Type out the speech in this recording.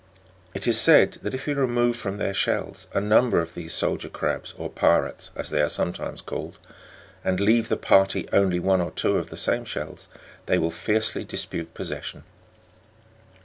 It is said, that if we remove from their shells a number of these soldier crabs, or pirates, as they are sometimes called, and leave the party only one or two of the same shells, they will fiercely dispute possession.